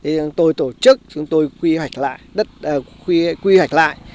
thì chúng tôi tổ chức chúng tôi quy hoạch lại